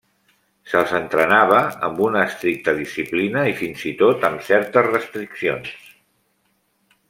Se'ls entrenava amb una estricta disciplina i fins i tot amb certes restriccions.